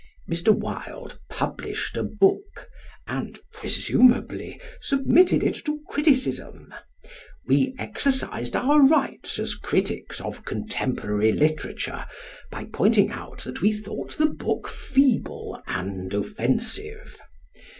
Mr. Wilde published a book, and (presumably) submitted it to criticism: we exercised our rights as critics of contemporary literature by pointing out that we thought the book feeble and offensive.